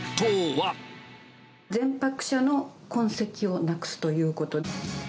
前泊者の痕跡をなくすということです。